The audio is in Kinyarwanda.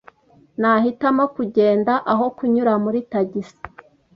Nahitamo kugenda aho kunyura muri tagisi.